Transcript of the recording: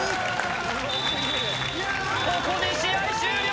ここで試合終了